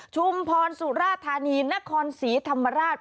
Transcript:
ชุมพรสุราธานีนครศรีธรรมราช